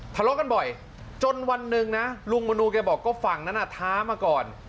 ทะเลาะกันบ่อยจนวันหนึ่งนะลุงมนูแกบอกก็ฝั่งนั้นท้ามาก่อน